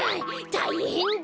たいへんだ！